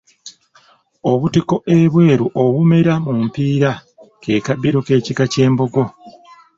Obutiko ebweru obumera mu mpiira ke kabbiro k’ekika ky’Embogo.